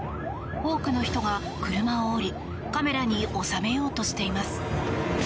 多くの人が車を降りカメラに収めようとしています。